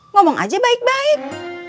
ngomong aja baik baik